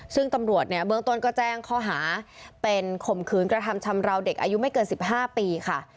ซึ่งตำรวจเนี่ยเบื้องต้นก็แจ้งข้อหาเป็นข่มขืนกระทำชำราวเด็กอายุไม่เกิน๑๕ปีค่ะ